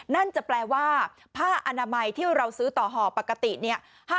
นั่นจะแปลว่าผ้าอนามัยที่เราซื้อต่อห่อปกติเนี่ย